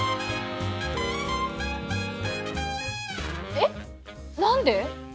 えっ何で！？